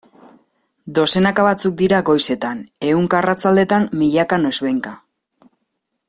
Dozenaka batzuk dira goizetan, ehunka arratsaldetan, milaka noizbehinka...